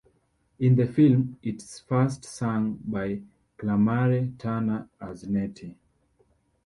In the film, it is first sung by Claramae Turner as Nettie.